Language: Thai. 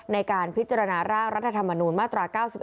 ในการพิจารณาร่างรัฐธรรมนูญมาตรา๙๑